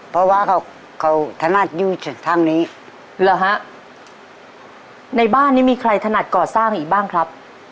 เพราะว่าเขาเขาถนัดอยู่จากถ้ำนี้เหรอฮะในบ้านนี้มีใครถนัดก่อสร้างอีกบ้างครับ